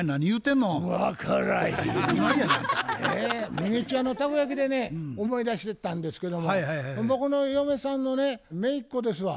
ミニチュアのたこ焼きでね思い出したんですけども僕の嫁さんのねめいっ子ですわ。